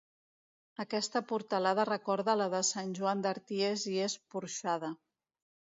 Aquesta portalada recorda la de Sant Joan d'Arties i és porxada.